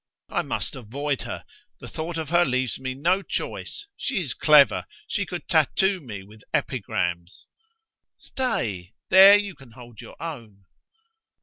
I must avoid her. The thought of her leaves me no choice. She is clever. She could tattoo me with epigrams." "Stay ... there you can hold your own."